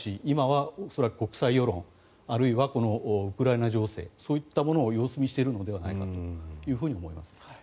今は恐らく国際世論あるいはウクライナ情勢そういったものを様子見しているのではないかと思います。